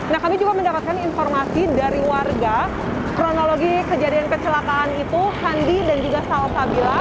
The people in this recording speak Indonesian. nah kami juga mendapatkan informasi dari warga kronologi kejadian kecelakaan itu handi dan juga salsabila